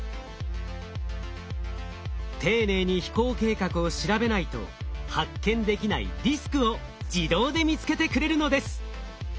丁寧に飛行計画を調べないと発見できないリスクを自動で見つけてくれるのです。